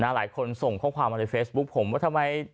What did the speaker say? หลายคนส่งข้อความมาในเฟซบุ๊คผมว่าทำไม